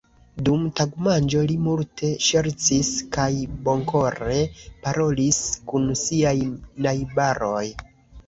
Dum tagmanĝo li multe ŝercis kaj bonkore parolis kun siaj najbaroj.